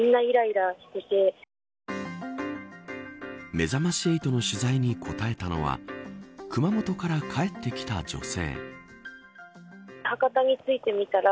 めざまし８の取材に答えたのは熊本から帰ってきた女性。